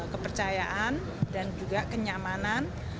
kepercayaan dan juga kenyamanan